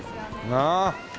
なあ。